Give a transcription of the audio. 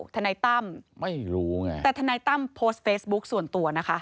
ทนายตั้มไม่รู้ไงแต่ทนายตั้มโพสต์เฟซบุ๊คส่วนตัวนะคะ